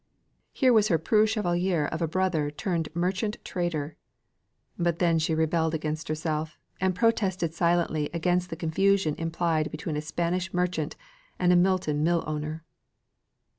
Here was her preux chevalier of a brother turned merchant, trader! But then she rebelled against herself, and protested silently against the confusion implied between a Spanish merchant and a Milton millowner.